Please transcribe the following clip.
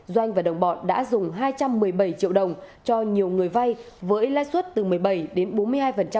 doanh và đồng bọn đã dùng hai trăm một mươi bảy triệu đồng cho nhiều người vai với lai suất từ một mươi bảy đến bốn mươi hai triệu